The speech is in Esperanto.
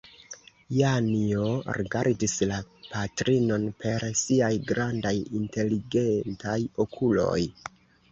Janjo rigardis la patrinon per siaj grandaj inteligentaj okuloj.